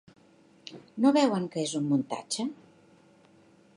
No veuen que és un muntatge?